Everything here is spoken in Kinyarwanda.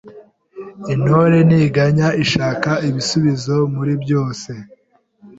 Intore ntiganya ishaka ibisubizo muri byose